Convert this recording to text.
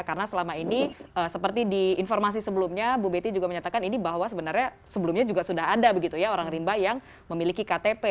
karena selama ini seperti di informasi sebelumnya bu betty juga menyatakan ini bahwa sebenarnya sebelumnya juga sudah ada begitu ya orang rimba yang memiliki ktp